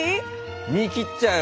身切っちゃうよ